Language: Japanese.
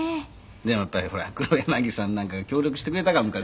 「でもやっぱりほら黒柳さんなんかが協力してくれたから昔」